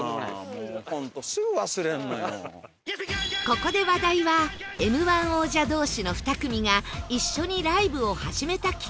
ここで話題は Ｍ−１ 王者同士の２組が一緒にライブを始めたきっかけについて